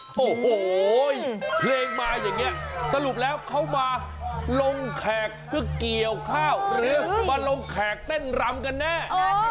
โอ้โหเพลงมาอย่างนี้สรุปแล้วเขามาลงแขกเพื่อเกี่ยวข้าวหรือมาลงแขกเต้นรำกันแน่